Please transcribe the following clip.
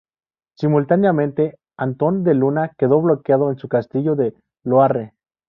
Simultáneamente, Antón de Luna quedó bloqueado en su castillo de Loarre.